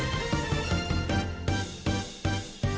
ครับพี่